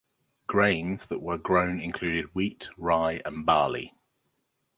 Grains that were grown included wheat, rye and barley.